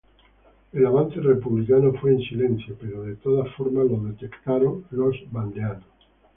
El avance republicano fue silencio, pero de todas formas los detectaron los vandeanos.